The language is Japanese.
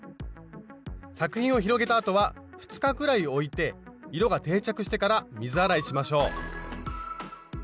作品を広げたあとは２日くらいおいて色が定着してから水洗いしましょう。